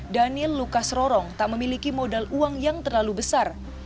daniel lukas rorong tak memiliki modal uang yang terlalu besar